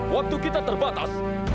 waktu kita terbatas